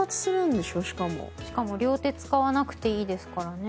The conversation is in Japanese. しかも両手使わなくていいですからね。